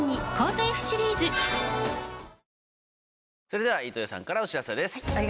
それでは飯豊さんからお知らせです。